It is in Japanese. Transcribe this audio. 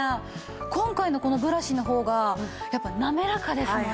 今回のこのブラシの方がやっぱ滑らかですもんね